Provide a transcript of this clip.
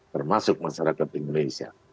termasuk masyarakat indonesia